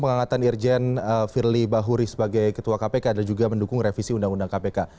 pengangkatan irjen firly bahuri sebagai ketua kpk dan juga mendukung revisi undang undang kpk